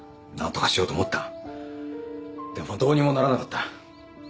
なんとかしようと思ったがでもどうにもならなかった。